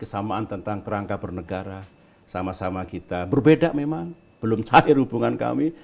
kesamaan tentang kerangka bernegara sama sama kita berbeda memang belum cair hubungan kami